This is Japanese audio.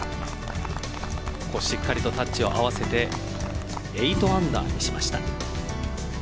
しっかりとタッチを合わせて８アンダーにしました。